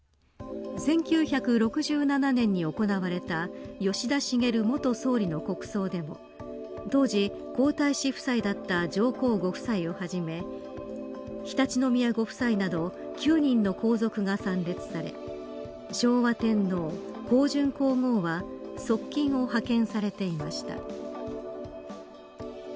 １９６７年に行われた吉田茂元総理の国葬でも当時、皇太子夫妻だった上皇ご夫妻をはじめ常陸宮ご夫妻など９人の皇族が参列され昭和天皇、香淳皇后は側近を派遣されていました。